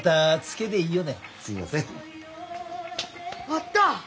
あった！